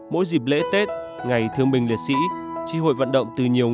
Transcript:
mỗi dịp lễ tết ngày thương bình liệt sĩ tri hội vận động từ nhiều người